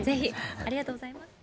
ありがとうございます。